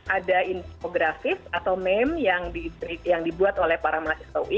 ada infografis atau meme yang dibuat oleh para mahasiswa ui